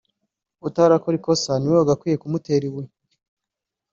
utarakora ikosa ni we wagakwiye kumutera ibuye